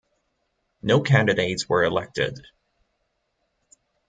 No candidates were elected.